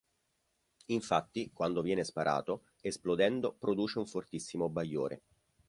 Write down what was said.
Infatti, quando viene sparato, esplodendo produce un fortissimo bagliore.